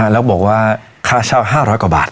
แล้วบอกว่าค่าเช่า๕๐๐กว่าบาท